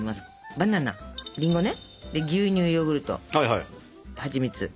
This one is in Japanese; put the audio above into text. バナナりんごね牛乳ヨーグルトはちみつ。